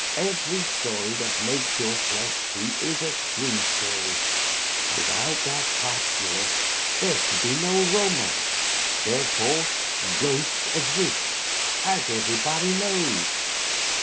Every story that makes your flesh creep is a true story — ^without that postulate there could be no romance. Therefore, ghosts exist, as everybody knows."